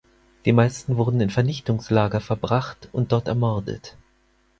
Die meisten wurden in Vernichtungslager verbracht und dort ermordet.